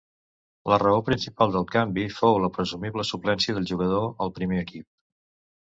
La raó principal del canvi fou la presumible suplència del jugador al primer equip.